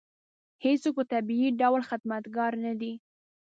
هېڅوک په طبیعي ډول خدمتګار نه دی.